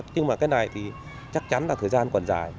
nhưng mà cái này thì chắc chắn là thời gian còn dài